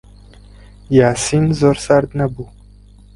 یاسین زۆر سارد نەبوو.